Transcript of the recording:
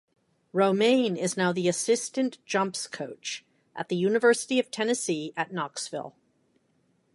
Romain is now the assistant jumps coach at the University of Tennessee at Knoxville.